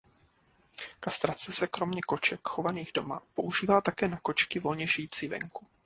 Kastrace se kromě koček chovaných doma používá také na kočky volně žijící venku.